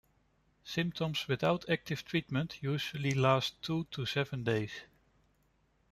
Symptoms without active treatment usually last two to seven days.